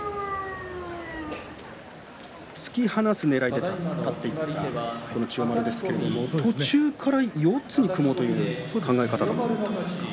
突き放すねらいだった千代丸ですが途中から四つに組もうという考え方だったんですかね。